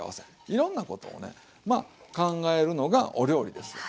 いろんなことをねまあ考えるのがお料理ですわ。